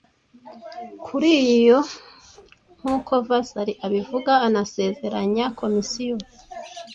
Kuri yo, nk'uko Vasari abivuga, anasezeranya komisiyo